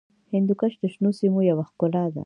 هندوکش د شنو سیمو یوه ښکلا ده.